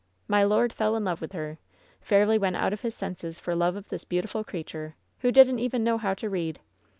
My lord fell in love with her. Fairly went out of his senses for love of this beautiful creature, who didn't even know how to read.